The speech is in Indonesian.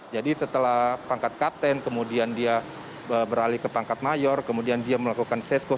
jadi setelah pangkat kapten kemudian dia beralih ke pangkat mayor kemudian dia melakukan nevada skifxa